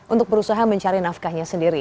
untuk berusaha mencari nafkahnya sendiri